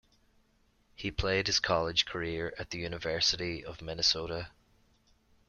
He played his college career at the University of Minnesota.